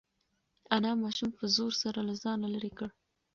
انا ماشوم په زور سره له ځانه لرې کړ.